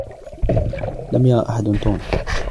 لم يرى أحد توم.